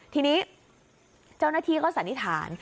ทีนี้เจ้าหน้าที่ก็สันนิษฐาน